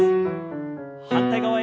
反対側へ。